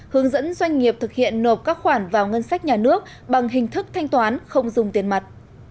hướng dẫn doanh nghiệp thực hiện nộp các khoản vào ngân sách nhà nước bằng hình thức thanh toán không dùng tiền mặt